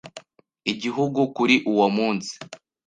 Igihugu kuri uwo munsi